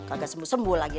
kagak sembuh sembuh lagi